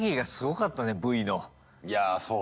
いやそうね。